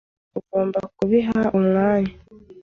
ugomba kubiha umwanya.